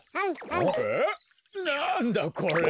なんだこれ。